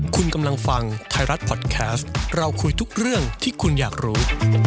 คุณกำลังฟังไทยรัฐพอดแคสต์เราคุยทุกเรื่องที่คุณอยากรู้